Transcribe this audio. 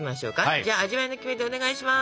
じゃあ味わいのキメテお願いします！